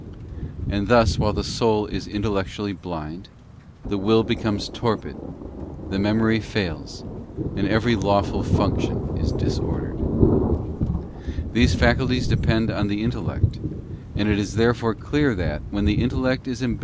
${ And thus, while the soul is intellectually blind, the will becomes torpid, the memory fails, and every lawful function is disordered. These faculties depend on the intel CHAP. VI. 8. Darkness. t x peppy Lb Lomeitety lect, and it is therefore clear that, when the intellect is em